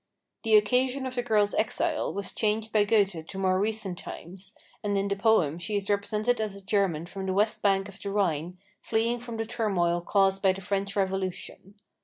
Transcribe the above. The occasion of the girl's exile was changed by Goethe to more recent times, and in the poem she is represented as a German from the west bank of the Rhine fleeing from the turmoil caused by the French Revolution.